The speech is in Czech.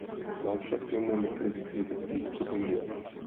Mám však k němu několik kritických připomínek.